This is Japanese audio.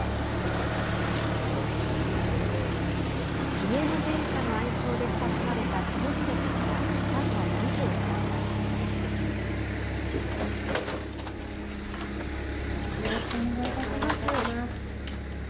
ひげの殿下の愛称で親しまれた寛仁さまら３男２女を育てられよろしくお願いいたします。